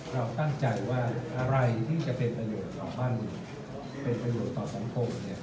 เราตั้งใจว่าอะไรที่จะเป็นประโยชน์ต่อบ้านเมืองเป็นประโยชน์ต่อสังคม